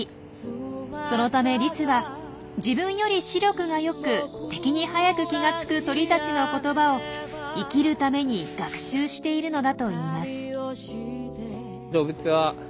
そのためリスは自分より視力が良く敵に早く気がつく鳥たちの言葉を生きるために学習しているのだといいます。